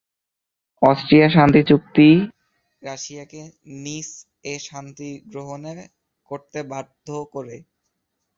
অস্ট্রিয়ার শান্তি চুক্তি রাশিয়াকে নিস-এ শান্তি গ্রহণ করতে বাধ্য করে।